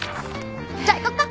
じゃあ行こうか。